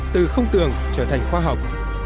từ không tường trở thành khoa học